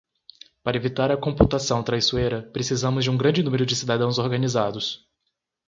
Para evitar a computação traiçoeira, precisamos de um grande número de cidadãos organizados.